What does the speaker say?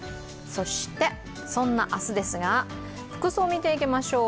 そんな明日ですが、服装を見ていきましょう。